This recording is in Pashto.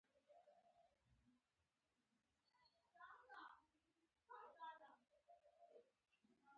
کافرانو ته يې يو څو خبرې کړي دي.